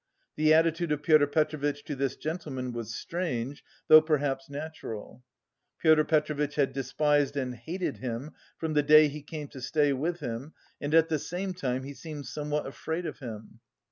The attitude of Pyotr Petrovitch to this gentleman was strange, though perhaps natural. Pyotr Petrovitch had despised and hated him from the day he came to stay with him and at the same time he seemed somewhat afraid of him.